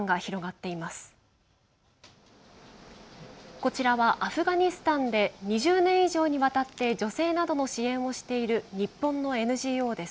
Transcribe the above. こちらは、アフガニスタンで２０年以上にわたって女性などの支援をしている日本のＮＧＯです。